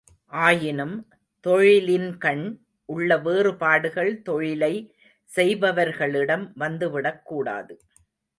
ஆயினும், தொழிலின்கண் உள்ள வேறுபாடுகள் தொழிலை செய்பவர்களிடம் வந்துவிடக்கூடாது.